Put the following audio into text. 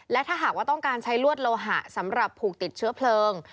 และถ้าหากว่าต้องการใช้ลวดโลหะสำหรับผูกติดเชื้อเพลิง